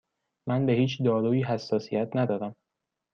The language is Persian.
من به هیچ دارویی حساسیت ندارم.